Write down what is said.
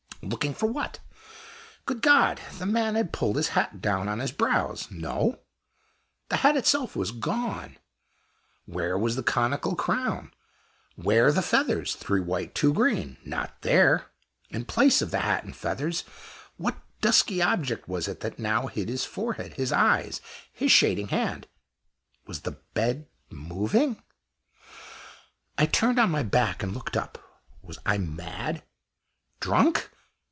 Looking for what? Good God! the man had pulled his hat down on his brows! No! the hat itself was gone! Where was the conical crown? Where the feathers three white, two green? Not there! In place of the hat and feathers, what dusky object was it that now hid his forehead, his eyes, his shading hand? Was the bed moving? I turned on my back and looked up. Was I mad? drunk?